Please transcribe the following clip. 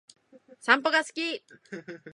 散歩が好き